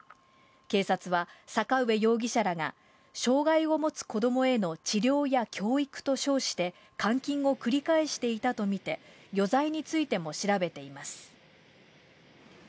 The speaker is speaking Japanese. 警察は、坂上容疑者らが、障害を持つ子どもへの治療や教育と称して、監禁を繰り返していたと見て、余罪についても調べています。